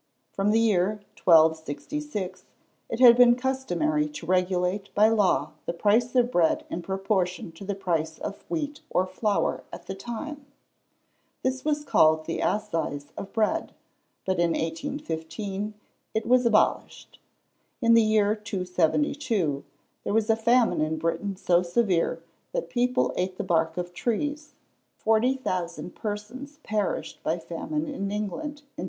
From the year 1266, it had been customary to regulate by law the price of bread in proportion to the price of wheat or flour at the time. This was called the assize of bread; but, in 1815, it was abolished. In the year 272 there was a famine in Britain so severe that people ate the bark of trees; forty thousand persons perished by famine in England in 310!